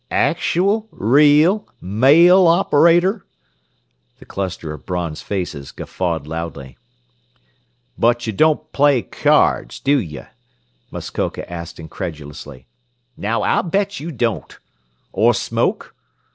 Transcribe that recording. "Actooal, real, male operator?" The cluster of bronzed faces guffawed loudly. "But y' don't play kiards, do you?" Muskoka asked incredulously. "Now I bet you don't. Or smoke?